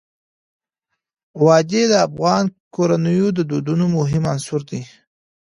وادي د افغان کورنیو د دودونو مهم عنصر دی.